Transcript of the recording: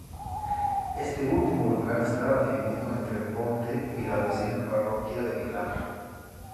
Este último lugar estaba dividido entre Ponte y la vecina parroquia de Vilar.